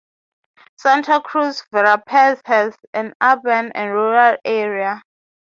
Santa Cruz Verapaz has an urban and a rural area.